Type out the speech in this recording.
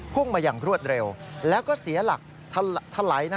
พุ่งมาอย่างรวดเร็วแล้วก็เสียหลักทะไหล